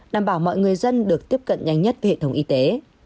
đảm bảo mọi người dân được tiếp cận nhanh nhất về hệ thống y tế